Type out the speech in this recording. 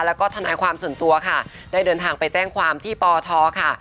แล้วก็ทนายความส่วนตัวค่ะได้เดินทางไปแจ้งความที่ปทค่ะ